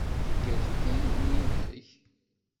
Igerrez ukayad-nni-inek?